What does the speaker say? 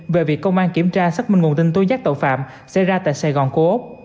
về việc công an kiểm tra xác minh nguồn tin tố giác tội phạm xảy ra tại sài gòn cố úc